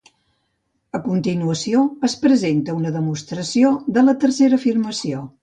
A continuació es presenta una demostració de la tercera afirmació.